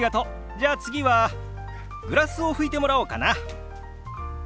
じゃあ次はグラスを拭いてもらおうかな。